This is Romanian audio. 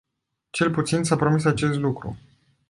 Cel puțin s-a promis acest lucru.